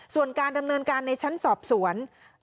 ส่วนการดำเนินการในชั้นสอบสวน